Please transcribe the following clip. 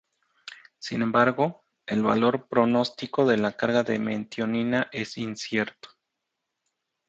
Sin embargo, el valor pronóstico de la carga de metionina es incierto.